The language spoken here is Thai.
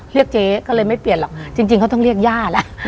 เรียกเจ๊ก็เลยไม่เปลี่ยนหรอกจริงเขาต้องเรียกย่าแล้ว